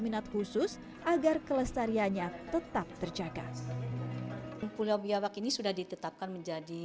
minat khusus agar kelestariannya tetap terjaga pulau biawak ini sudah ditetapkan menjadi